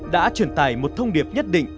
đã truyền tải một thông điệp nhất định